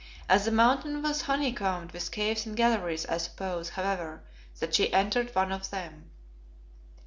As the Mountain was honeycombed with caves and galleries, I suppose, however, that she entered one of them.